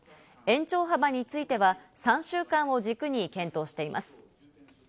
延長幅については３週間を軸に検討しています。